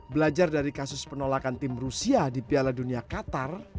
belajar dari kasus penolakan tim rusia di piala dunia qatar